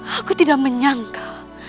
aku tidak menyangka